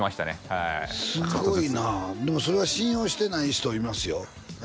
はいすごいなでもそれは信用してない人いますよ